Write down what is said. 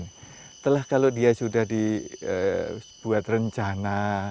setelah kalau dia sudah dibuat rencana